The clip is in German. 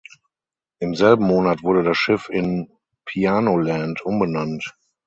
Im selben Monat wurde das Schiff in "Piano Land" umbenannt.